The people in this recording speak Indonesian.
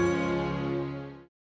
terus ternyata saya mike snack